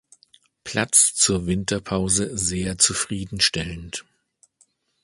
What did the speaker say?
Platz zur Winterpause sehr zufriedenstellend.